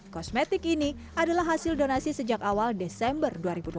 kosmetik ini adalah hasil donasi sejak awal desember dua ribu dua puluh